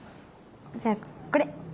じゃあこれ！